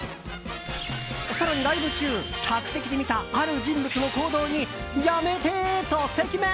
更にライブ中、客席で見たある人物の行動にやめてと赤面！